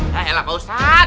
lah elah pak ustadz